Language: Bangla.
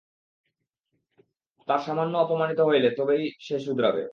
তার সামনে অপমানিত হযলে, তবেই সে সুদরাবে।